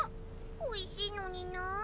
おいしいのになあ。